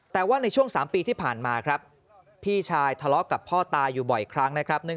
แต่ว่าในช่วง๓ปีที่ผ่านมาครับพี่ชายทะเลาะกับพ่อตาอยู่บ่อยครั้งนะครับ